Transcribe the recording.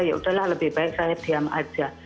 yaudah lah lebih baik saya diam aja